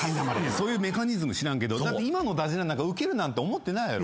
そういうメカニズム知らんけどだって今の駄じゃれなんかウケるなんて思ってないやろ？